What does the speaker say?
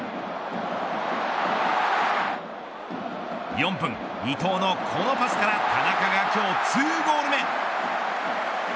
４分、伊東のこのパスから田中が今日２ゴール目。